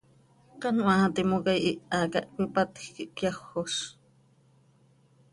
Canoaa timoca ihiha cah cöipatj quih cöyajoz.